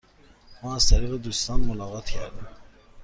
ما از طریق دوستان ملاقات کردیم.